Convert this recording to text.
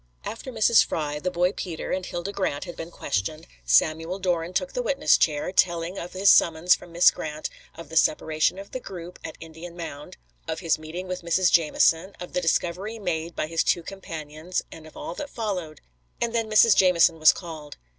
After Mrs. Fry, the boy Peter and Hilda Grant had been questioned, Samuel Doran took the witness chair, telling of his summons from Miss Grant, of the separation of the group at the Indian Mound, of his meeting with Mrs. Jamieson, of the discovery made by his two companions and of all that followed. And then Mrs. Jamieson was called.